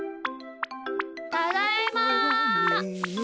ただいま！